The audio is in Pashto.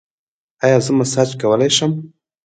ایا زه مساج کولی شم؟